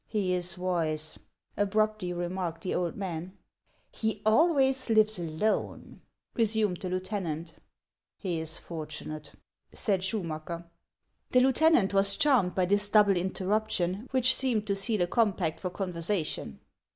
" He is wise," abruptly remarked the old man. " He always lives alone," resumed the lieutenant. " He is fortunate," said Schumacker. The lieutenant was charmed by this double interruption, which seemed to seal a compact for conversation.